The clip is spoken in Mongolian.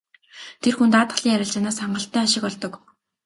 Тэр хүн даатгалын арилжаанаас хангалттай ашиг олдог.